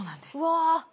うわ。